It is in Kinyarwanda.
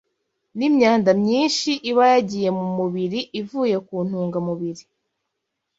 n’imyanda nyinshi iba yagiye mu mubiri ivuye ku ntungamubiri